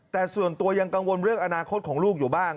แต่ส่วนตัวยังกังวลเรื่องอนาคตของลูกอยู่บ้าง